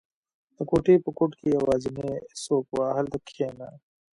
• د کوټې په ګوټ کې یوازینی څوکۍ وه، هلته کښېنه.